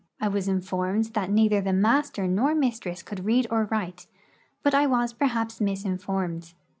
I was informed that 22 nUSSIA IN EUROPE neither the master nor mistress could read or write, hut I was, perhaps, misinformed.